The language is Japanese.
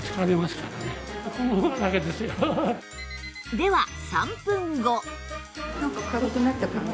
では３分後